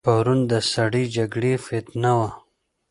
پرون د سړې جګړې فتنه وه.